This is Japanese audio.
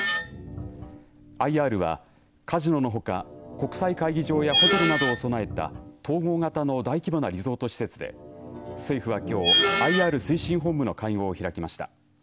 ＩＲはカジノのほか国際会議場やホテルなどを備えた統合型の大規模なリゾート施設で政府はきょうＩＲ推進本部の会合を開きました。